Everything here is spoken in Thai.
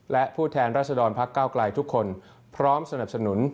และผู้แทนรัศดรพักเก้าไกลทุกคนพร้อมสนับสนุน